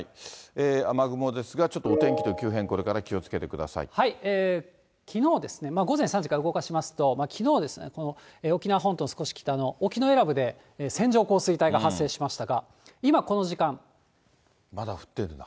雨雲ですが、ちょっとお天気の急変、きのうですね、午前３時から動かしますと、きのう、沖縄本島の少し北の沖永良部で線状降水帯が発生しましたが、まだ降ってるんだ。